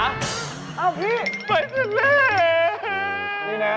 เอ้าพี่ไปทะเล